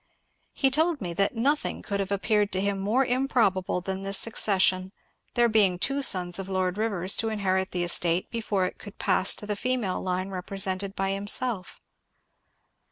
He told me that nothing could have appeared to him more improbable than this suc cession, there being two sons of Lord Rivers to inherit the estate before it could pass to the female line represented by himself.